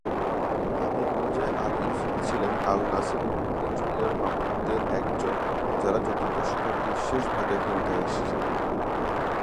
আমির Uljay al-Yusufi ছিলেন al-Nasir মুহাম্মদের junior মামলুকদের একজন যারা চতুর্দশ শতাব্দীর শেষভাগে ক্ষমতায় এসেছিলেন।